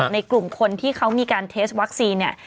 ในกลุ่มคนที่เขามีการเทสต์วัคซีน